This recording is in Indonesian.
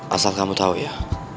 asal kamu tau ya